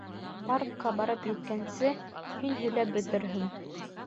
Паркка барып еткәнсе, һин һөйләп бөтөрһөң.